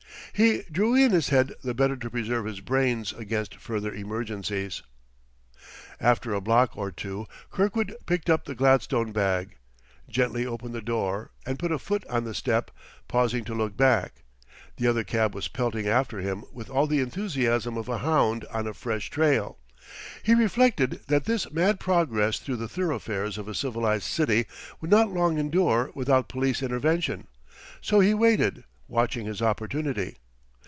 He drew in his head the better to preserve his brains against further emergencies. After a block or two Kirkwood picked up the gladstone bag, gently opened the door, and put a foot on the step, pausing to look back. The other cab was pelting after him with all the enthusiasm of a hound on a fresh trail. He reflected that this mad progress through the thoroughfares of a civilized city would not long endure without police intervention. So he waited, watching his opportunity.